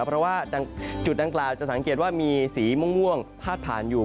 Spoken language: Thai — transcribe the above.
เพราะว่าจุดดังกล่าวจะสังเกตว่ามีสีม่วงพาดผ่านอยู่